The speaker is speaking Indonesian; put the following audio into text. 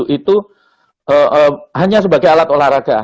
lima puluh tujuh itu hanya sebagai alat olahraga